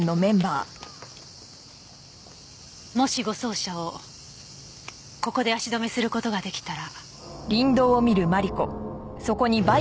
もし護送車をここで足止めする事が出来たら。